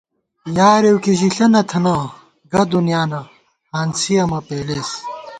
یارېؤ کی ژِݪہ نہ تھنہ ، گہ دُنیانہ ، ہانسِیَہ مہ پېلېس